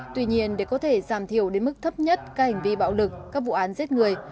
tuy nhiên để có thể giảm thiểu đến mức thấp nhất các hành vi bạo lực các vụ án giết người